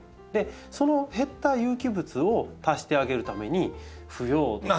その減った有機物を足してあげるために腐葉土とか。